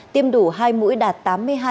tiêm đủ hai mũi đạt tám mươi hai hai